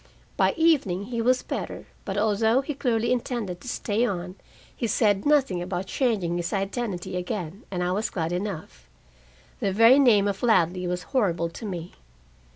By evening he was better, but although he clearly intended to stay on, he said nothing about changing his identity again, and I was glad enough. The very name of Ladley was horrible to me.